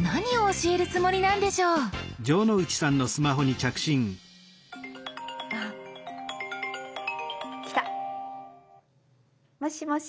何を教えるつもりなんでしょう？来た！もしもし。